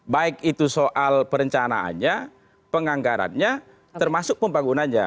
baik itu soal perencanaannya penganggarannya termasuk pembangunannya